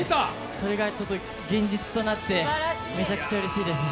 それが現実となって、めちゃくちゃうれしいです。